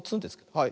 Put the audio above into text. はい。